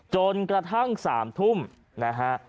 จนกระทั่ง๓ทุ่มนะฮะ